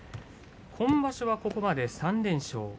今場所はここまで３連勝。